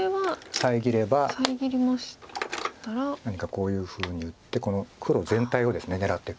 遮れば何かこういうふうに打ってこの黒全体をですね狙っていく。